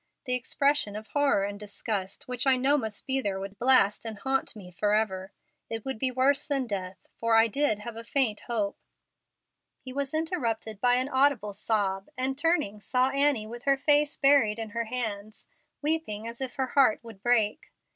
The expression of horror and disgust which I know must be there would blast me and haunt me forever. It would be worse than death, for I did have a faint hope " He was interrupted by an audible sob, and turning, saw Annie with her face buried in her hands, weeping as if her heart would break.